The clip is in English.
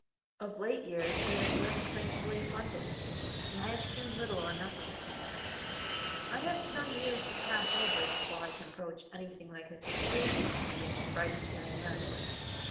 Of late years he has lived principally in London, and I have seen little or nothing of him. I have some years to pass over before I can approach to anything like a conclusion of this fragmentary narrative.